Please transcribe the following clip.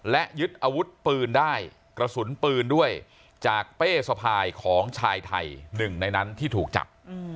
และยึดอาวุธปืนได้กระสุนปืนด้วยจากเป้สะพายของชายไทยหนึ่งในนั้นที่ถูกจับ